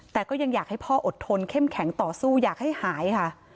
แต่ก็ยังอยากให้พ่ออดทนเข้มแข็งต่อสู้อยากให้หายค่ะ